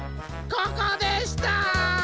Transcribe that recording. ここでした！